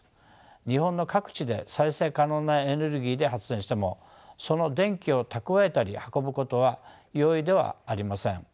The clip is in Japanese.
日本の各地で再生可能なエネルギーで発電してもその電気を蓄えたり運ぶことは容易ではありません。